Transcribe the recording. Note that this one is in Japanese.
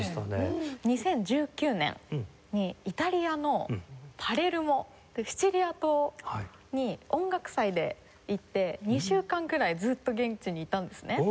２０１９年にイタリアのパレルモシチリア島に音楽祭で行って２週間くらいずっと現地にいたんですね。